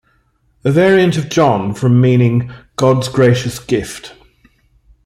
A variant of Jon from meaning "God's gracious gift".